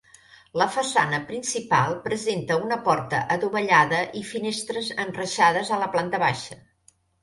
La façana principal presenta una porta adovellada i finestres enreixades a la planta baixa.